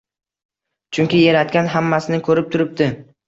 Chunki Yaratgan hammasini ko‘rib turibdi.